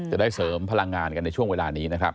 จะได้เสริมพลังงานกันในช่วงเวลานี้นะครับ